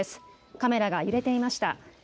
カメラが揺れていました。